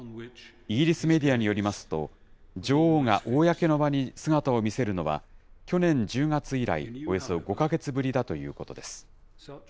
イギリスメディアによりますと、女王が公の場に姿を見せるのは、去年１０月以来、およそ５か月ぶりだということです。